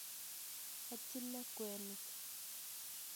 Atile kwenik